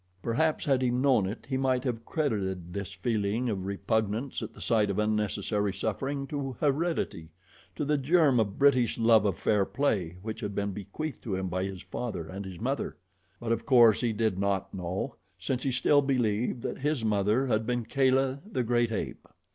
Perhaps, had he known it, he might have credited this feeling of repugnance at the sight of unnecessary suffering to heredity to the germ of British love of fair play which had been bequeathed to him by his father and his mother; but, of course, he did not know, since he still believed that his mother had been Kala, the great ape.